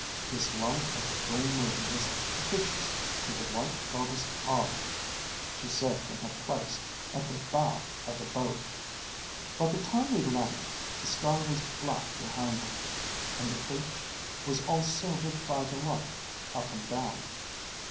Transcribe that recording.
'This light of the full moon is propitious to the White Goddess Argo,' she said from her place at the bow of the boat. By the time we landed, the sky was black behind her, and the beach was all silvered by the light, up and down.